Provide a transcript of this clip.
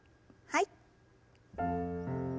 はい。